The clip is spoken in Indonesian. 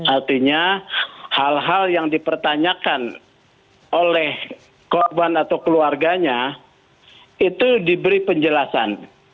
artinya hal hal yang dipertanyakan oleh korban atau keluarganya itu diberi penjelasan